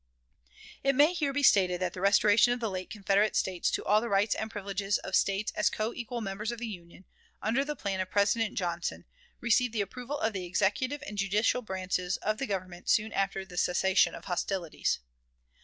It may here be stated that the restoration of the late Confederate States to all the rights and privileges of States as co equal members of the Union, under the plan of President Johnson, received the approval of the executive and judicial branches of the Government soon after the cessation of hostilities.